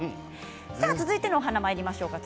続いての花にまいりましょう。